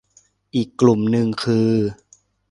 อีกกลุ่มนึงคือ